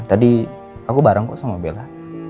tadi aku bareng kok sama bella